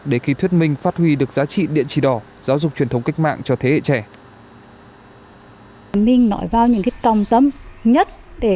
để khi thuyết minh phát huy được giá trị điện trì đỏ giáo dục truyền thống cách mạng cho thế hệ trẻ